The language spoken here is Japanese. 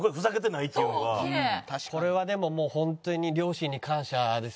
これはでもホントに両親に感謝ですよね。